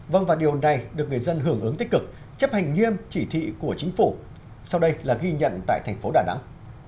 vâng và điều này được người dân hưởng ứng tích cực chấp hành nghiêm chỉ thị của chính phủ sau đây là ghi nhận tại thành phố đà nẵng